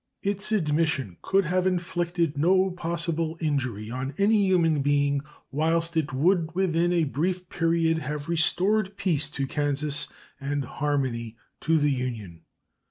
Its admission could have inflicted no possible injury on any human being, whilst it would within a brief period have restored peace to Kansas and harmony to the Union.